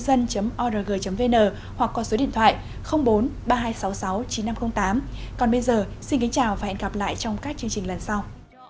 xin chào và hẹn gặp lại trong các chương trình lần sau